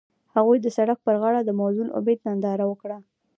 هغوی د سړک پر غاړه د موزون امید ننداره وکړه.